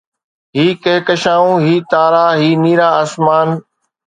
هي ڪهڪشائون، هي تارا، هي نيرا آسمان